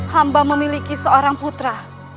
hamba memiliki seorang putra